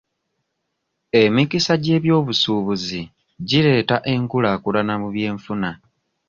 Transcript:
Emikisa gyeby'obusuubuzi gireeta enkulaakulana mu by'enfuna..